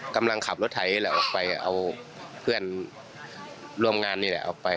กำลังขับรถไทยไล่เอาไปเพื่อนร่วมงานเนี่ยแหละเอาไป